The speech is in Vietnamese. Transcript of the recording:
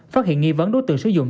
phát hiện nghi vấn đối tượng sử dụng